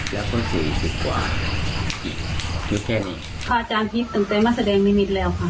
เออขอโทษขอโทษพี่พี่พี่